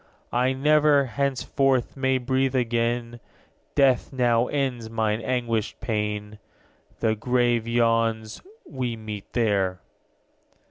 'I never, henceforth, may breathe again; Death now ends mine anguished pain. The grave yawns, we meet there.'